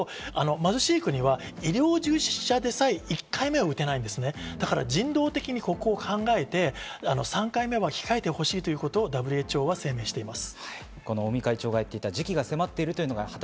貧しい国は医療従事者でさえ１回目を打てない、人道的にここを考えて３回目を控えてほしいということをＷＨＯは声明を出しています。